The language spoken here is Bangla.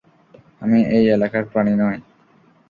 আমি এই এলাকার প্রাণী নই।